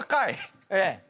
ええ。